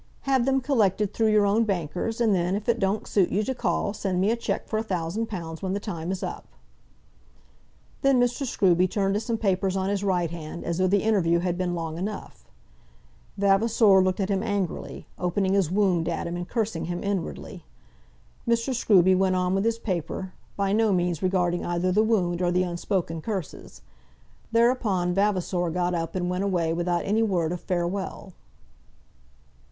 Have them collected through your own bankers, and then, if it don't suit you to call, send me a cheque for a thousand pounds when the time is up." Then Mr. Scruby turned to some papers on his right hand, as though the interview had been long enough. Vavasor looked at him angrily, opening his wound at him and cursing him inwardly. Mr. Scruby went on with his paper, by no means regarding either the wound or the unspoken curses. Thereupon Vavasor got up and went away without any word of farewell.